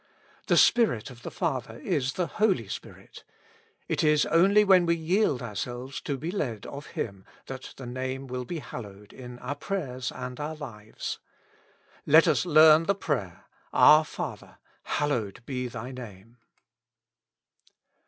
The Spirit of the Father is the //t'/j/ Spirit ; it is only when we yield ourselves to be led of Him, that the name will be hallowed in our prayers and our lives. Let us learn the prayer: "Our Father, hallowed be Thy name."